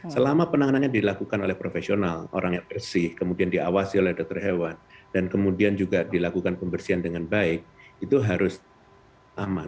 selama penanganannya dilakukan oleh profesional orang yang bersih kemudian diawasi oleh dokter hewan dan kemudian juga dilakukan pembersihan dengan baik itu harus aman